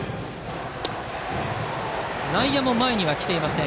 内野も前には来ていません